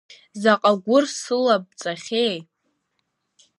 Заҟа гәыр сылабҵахьеи?